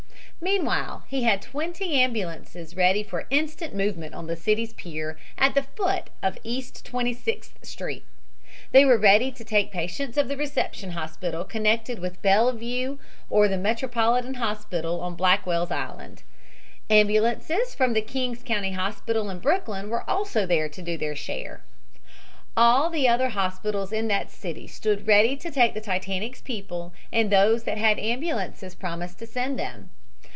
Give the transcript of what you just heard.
Meanwhile he had twenty ambulances ready for instant movement on the city's pier at the foot of East Twenty sixth Street. They were ready to take patients to the reception hospital connected with Bellevue or the Metropolitan Hospital on Blackwell's Island. Ambulances from the Kings County Hospital in Brooklyn were also there to do their share. All the other hospitals in the city stood ready to take the Titanic's people and those that had ambulances promised to send them.